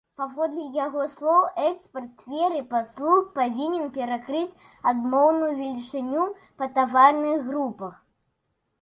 Паводле яго слоў, экспарт сферы паслуг павінен перакрыць адмоўную велічыню па таварных групах.